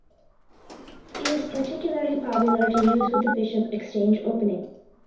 It is particularly popular to use with the Bishop Exchange opening.